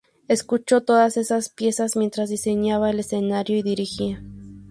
Escuchó todas estas piezas mientras diseñaba el escenario y dirigía.